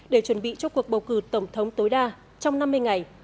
để chuẩn bị cho cuộc bầu cử tổng thống tối đa trong năm mươi ngày